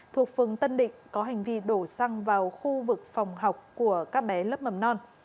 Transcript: thuộc phường tân định có hành vi đổ xăng vào khu vực phòng học của các bé lớp mầm non